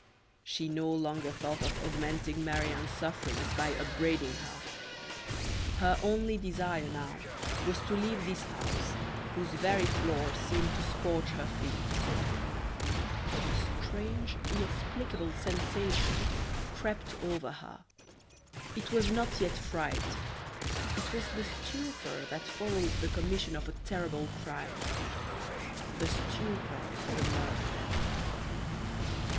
She no longer thought of augmenting Marie Anne's sufferings by upbraiding her. Her only desire now was to leave this house, whose very floor seemed to scorch her feet. A strange, inexplicable sensation crept over her; it was not yet fright, it was the stupor that follows the commission of a terrible crime the stupor of the murderer.